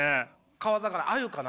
川魚鮎かな？